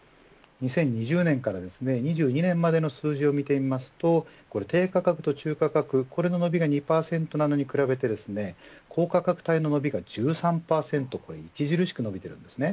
２０２０年から２２年までの数字を見てみますと低価格と中価格この伸びが２％なのに比べて高価格帯の伸びが１３％と著しく伸びています。